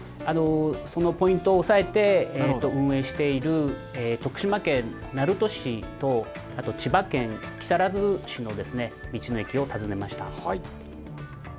そのポイントを押さえて運営している、徳島県鳴門市と、あと千葉県木更津市の道の駅を訪ねました。